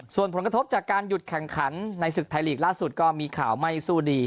ส่วนผลกระทบจากการหยุดแข่งขันในศึกไทยลีกล่าสุดก็มีข่าวไม่สู้ดี